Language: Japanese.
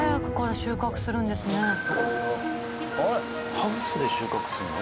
ハウスで収穫するの？